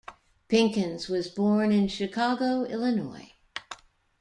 Pinkins was born in Chicago, Illinois.